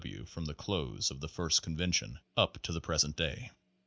W. W. from the close of the first convention up to the present day.